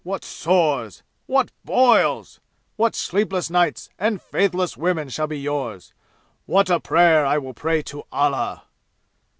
What sores! What boils! What sleepless nights and faithless women shall be yours! What a prayer I will pray to Allah!"